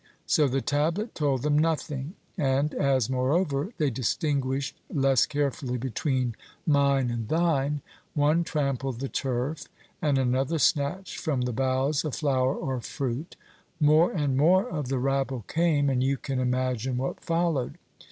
So the tablet told them nothing; and as, moreover, they distinguished less carefully between mine and thine, one trampled the turf and another snatched from the boughs a flower or fruit. More and more of the rabble came, and you can imagine what followed.